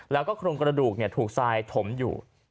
แล้วก็โครงกระดูกถูกทรายถมอยู่